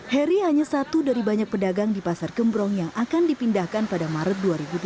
heri hanya satu dari banyak pedagang di pasar gembrong yang akan dipindahkan pada maret dua ribu dua puluh